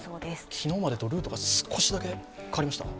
昨日までとルートが少しだけ変わりました？